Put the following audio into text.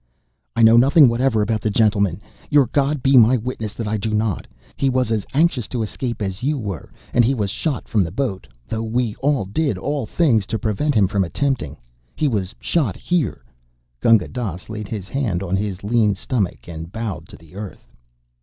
"I know nothing whatever about the gentleman. Your God be my witness that I do not. He was as anxious to escape as you were, and he was shot from the boat, though we all did all things to prevent him from attempting. He was shot here." Gunga Dass laid his hand on his lean stomach and bowed to the earth.